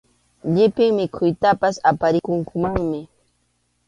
Llipin mikhuytapas aparikunkumanmi.